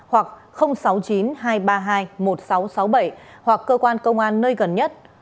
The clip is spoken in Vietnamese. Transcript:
hoặc sáu mươi chín hai trăm ba mươi hai một nghìn sáu trăm sáu mươi bảy hoặc cơ quan công an nơi gần nhất